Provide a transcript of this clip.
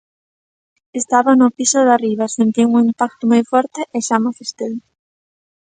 Estaba no piso de arriba, sentín un impacto moi forte e xa me asustei.